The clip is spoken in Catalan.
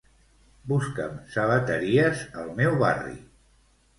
Busca'm sabateries al meu barri.